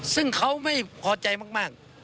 ซึ่งเขาไม่พอใจมาก